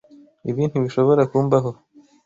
Ibi ntibishobora kumbaho.